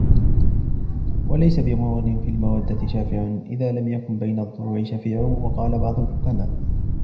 وَلَيْسَ بِمُغْنٍ فِي الْمَوَدَّةِ شَافِعٌ إذَا لَمْ يَكُنْ بَيْنَ الضُّلُوعِ شَفِيعُ وَقَالَ بَعْضُ الْحُكَمَاءِ